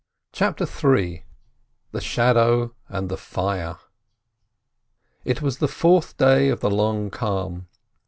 CHAPTER III THE SHADOW AND THE FIRE It was the fourth day of the long calm.